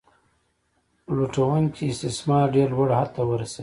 لوټونکی استثمار ډیر لوړ حد ته ورسید.